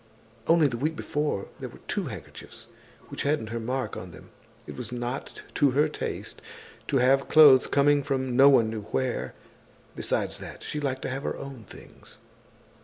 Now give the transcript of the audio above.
Only the week before, there were two handkerchiefs which hadn't her mark on them. It was not to her taste to have clothes coming from no one knew where. Besides that, she liked to have her own things.